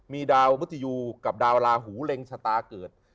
มีดาวมุทยูกับดาวลาหูเล็งชะตาเกิด